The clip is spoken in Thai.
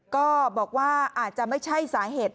ก็บอกว่าอาจจะไม่ใช่สาเหตุ